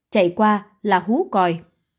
chạy qua là hú còi